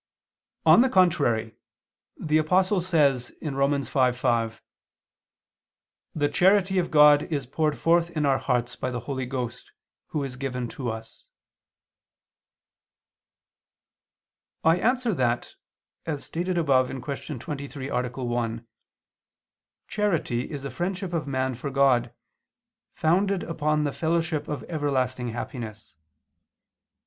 On the contrary, The Apostle says (Rom. 5:5): "The charity of God is poured forth in our hearts by the Holy Ghost, Who is given to us." I answer that, As stated above (Q. 23, A. 1), charity is a friendship of man for God, founded upon the fellowship of everlasting happiness.